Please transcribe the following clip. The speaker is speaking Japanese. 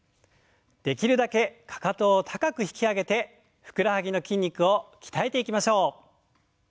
できるだけかかとを高く引き上げてふくらはぎの筋肉を鍛えていきましょう。